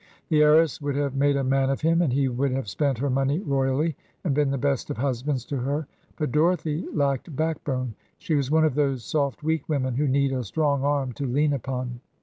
The heiress would have made a man of him, and he would have spent her money royally and been the best of husbands to her; but Dorothy lacked backbone. She was one of those soft, weak women who need a strong arm to lean upon.